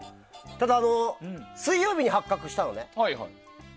ただ、水曜日に発覚したのね。